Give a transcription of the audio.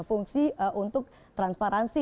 fungsi untuk transparansi